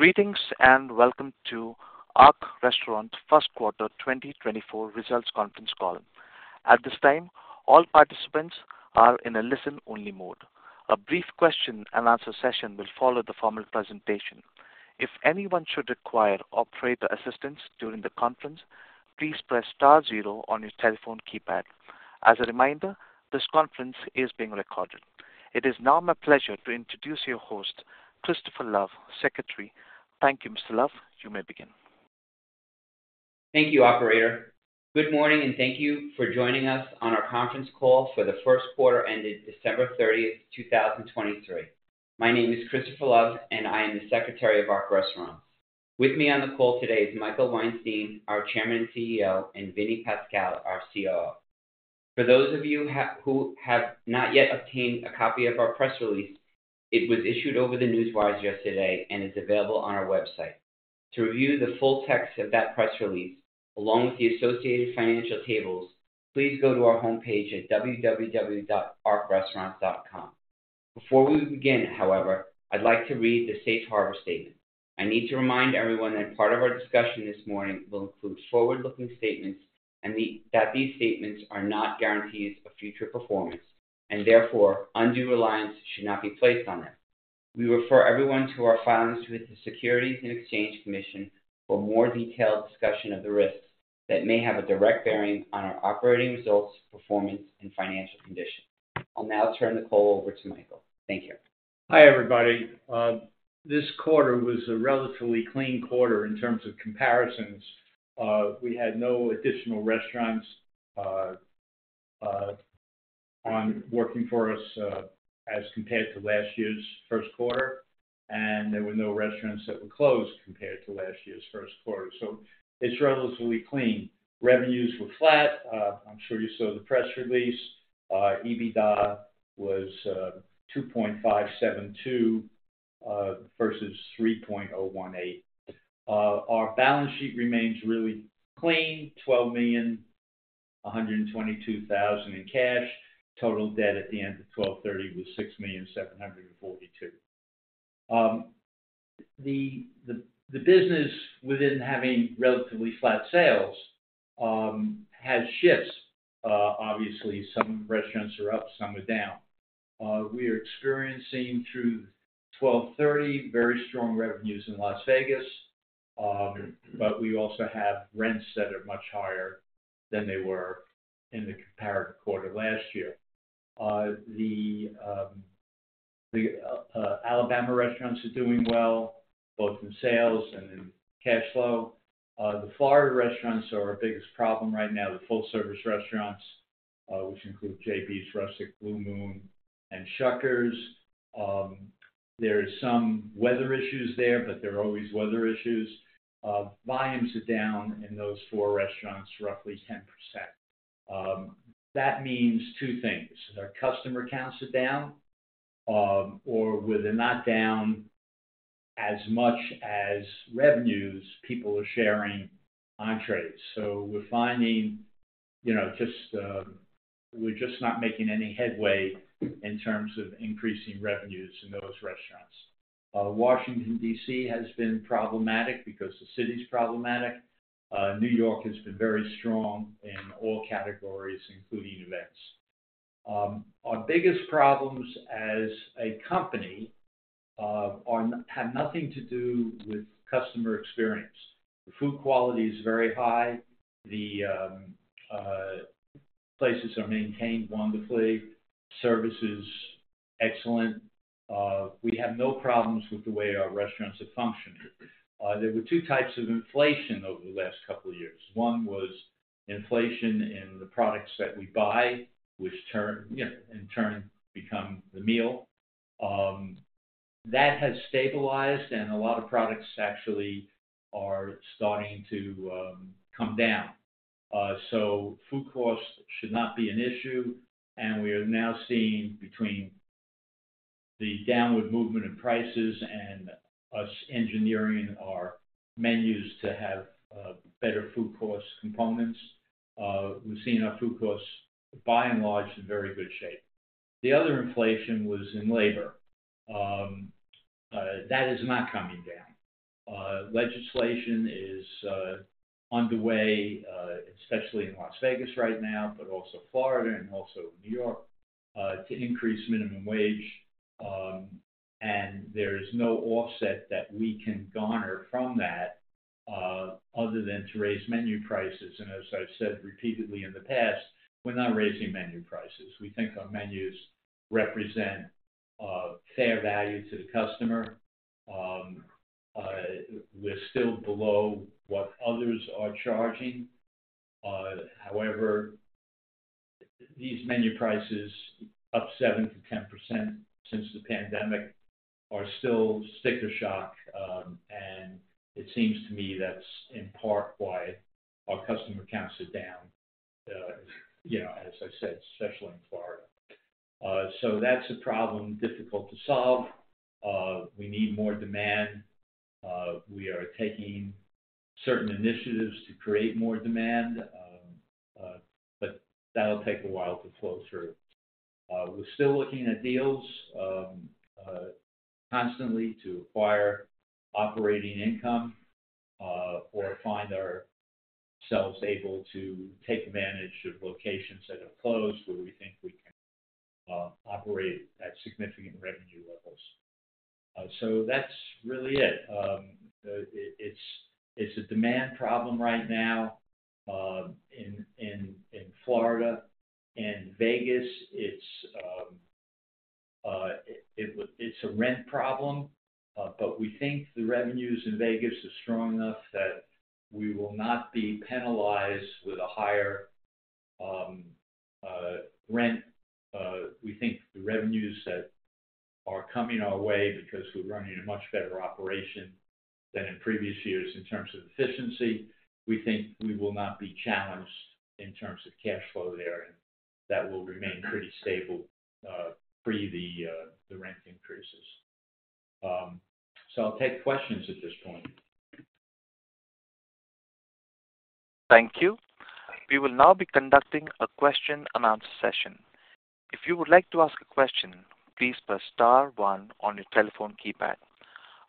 Greetings, and welcome to Ark Restaurants first quarter 2024 results conference call. At this time, all participants are in a listen-only mode. A brief question-and-answer session will follow the formal presentation. If anyone should require operator assistance during the conference, please press star zero on your telephone keypad. As a reminder, this conference is being recorded. It is now my pleasure to introduce your host, Christopher Love, Secretary. Thank you, Mr. Love. You may begin. Thank you, Operator. Good morning, and thank you for joining us on our conference call for the first quarter ended December 30, 2023. My name is Christopher Love, and I am the Secretary of Ark Restaurants. With me on the call today is Michael Weinstein, our Chairman and CEO, and Vinnie Pascal, our COO. For those of you who have not yet obtained a copy of our press release, it was issued over the Newswire yesterday and is available on our website. To review the full text of that press release, along with the associated financial tables, please go to our homepage at www.arkrestaurants.com. Before we begin, however, I'd like to read the Safe Harbor statement. I need to remind everyone that part of our discussion this morning will include forward-looking statements, and that these statements are not guarantees of future performance, and therefore, undue reliance should not be placed on them. We refer everyone to our filings with the Securities and Exchange Commission for a more detailed discussion of the risks that may have a direct bearing on our operating results, performance, and financial condition. I'll now turn the call over to Michael. Thank you. Hi, everybody. This quarter was a relatively clean quarter in terms of comparisons. We had no additional restaurants on working for us as compared to last year's first quarter, and there were no restaurants that were closed compared to last year's first quarter, so it's relatively clean. Revenues were flat. I'm sure you saw the press release. EBITDA was 2.572 versus 3.018. Our balance sheet remains really clean, $12,122,000 in cash. Total debt at the end of 12/30 was $6,742,000. The business within having relatively flat sales has shifts. Obviously, some restaurants are up, some are down. We are experiencing through 12/30, very strong revenues in Las Vegas, but we also have rents that are much higher than they were in the comparative quarter last year. The Alabama restaurants are doing well, both in sales and in cash flow. The Florida restaurants are our biggest problem right now, the full-service restaurants, which include JB's, Rustic, Blue Moon, and Shuckers. There is some weather issues there, but there are always weather issues. Volumes are down in those four restaurants, roughly 10%. That means two things: their customer counts are down, or where they're not down as much as revenues, people are sharing entrees. So we're finding, you know, just, we're just not making any headway in terms of increasing revenues in those restaurants. Washington, D.C., has been problematic because the city's problematic. New York has been very strong in all categories, including events. Our biggest problems as a company have nothing to do with customer experience. The food quality is very high. The places are maintained wonderfully. Service is excellent. We have no problems with the way our restaurants are functioning. There were two types of inflation over the last couple of years. One was inflation in the products that we buy, which turn, you know, in turn, become the meal. That has stabilized, and a lot of products actually are starting to come down. So food costs should not be an issue, and we are now seeing, between the downward movement in prices and us engineering our menus to have better food cost components, we've seen our food costs, by and large, in very good shape. The other inflation was in labor. That is not coming down. Legislation is underway, especially in Las Vegas right now, but also Florida and also New York, to increase minimum wage, and there is no offset that we can garner from that, other than to raise menu prices. And as I've said repeatedly in the past, we're not raising menu prices. We think our menus represent fair value to the customer. We're still below what others are charging. However, these menu prices, up 7%-10% since the pandemic, are still sticker shock, and it seems to me that's in part why our customer counts are down. You know, as I said, especially in Florida. So that's a problem difficult to solve. We need more demand. We are taking certain initiatives to create more demand, but that'll take a while to flow through. We're still looking at deals constantly to acquire operating income or find ourselves able to take advantage of locations that have closed, where we think we can operate at significant revenue levels. So that's really it. It's a demand problem right now in Florida. In Vegas, it's a rent problem, but we think the revenues in Vegas are strong enough that we will not be penalized with a higher rent. We think the revenues that are coming our way, because we're running a much better operation than in previous years in terms of efficiency, we think we will not be challenged in terms of cash flow there, and that will remain pretty stable, pre the rent increases. So I'll take questions at this point. Thank you. We will now be conducting a question-and-answer session. If you would like to ask a question, please press star one on your telephone keypad.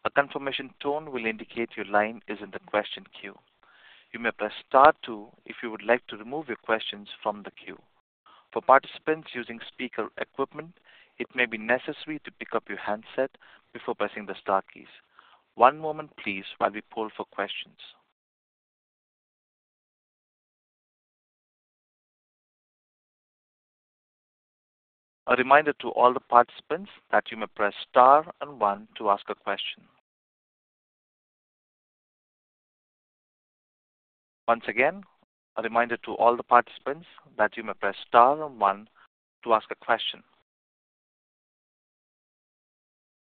A confirmation tone will indicate your line is in the question queue. You may press star two if you would like to remove your questions from the queue. For participants using speaker equipment, it may be necessary to pick up your handset before pressing the star keys. One moment please, while we poll for questions. A reminder to all the participants that you may press star and one to ask a question. Once again, a reminder to all the participants that you may press star and one to ask a question.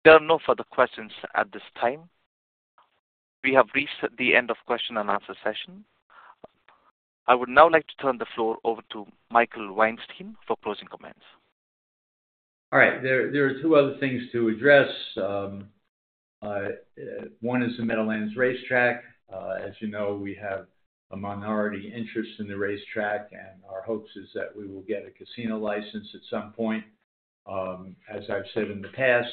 There are no further questions at this time. We have reached the end of question-and-answer session. I would now like to turn the floor over to Michael Weinstein for closing comments. All right. There are two other things to address. One is the Meadowlands Racetrack. As you know, we have a minority interest in the racetrack, and our hopes is that we will get a casino license at some point. As I've said in the past,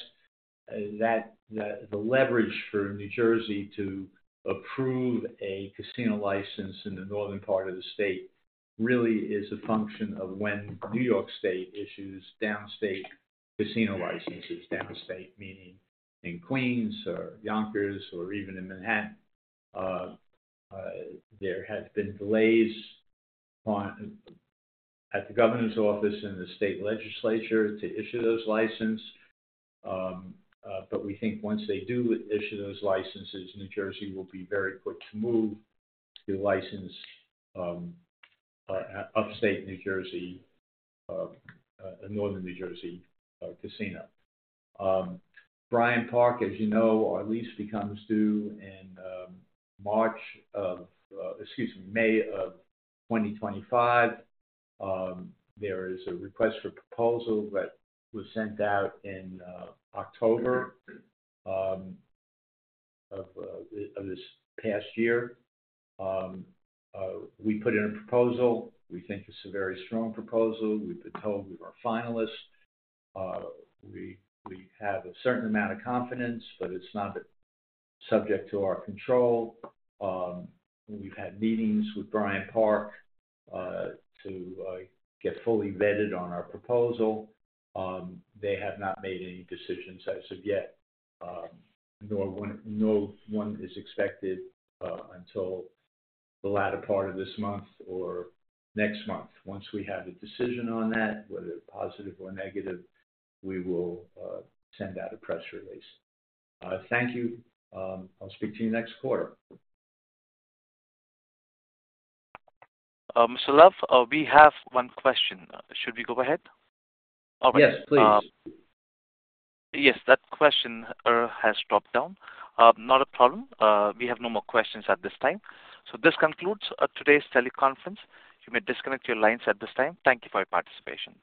the leverage for New Jersey to approve a casino license in the northern part of the state really is a function of when New York State issues downstate casino licenses. Downstate, meaning in Queens or Yonkers, or even in Manhattan. There have been delays at the governor's office and the state legislature to issue those licenses. But we think once they do issue those licenses, New Jersey will be very quick to move to license upstate New Jersey, northern New Jersey, casino. Bryant Park, as you know, our lease becomes due in, excuse me, May of 2025. There is a request for proposal that was sent out in October of this past year. We put in a proposal. We think it's a very strong proposal. We've been told we're finalists. We have a certain amount of confidence, but it's not subject to our control. We've had meetings with Bryant Park to get fully vetted on our proposal. They have not made any decisions as of yet, no one is expected until the latter part of this month or next month. Once we have a decision on that, whether positive or negative, we will send out a press release. Thank you. I'll speak to you next quarter. Sir, we have one question. Should we go ahead? Yes, please. Yes, that questioner has dropped down. Not a problem. We have no more questions at this time. So this concludes today's teleconference. You may disconnect your lines at this time. Thank you for your participation.